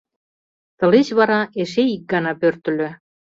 Тылеч вара эше ик гана пӧртыльӧ.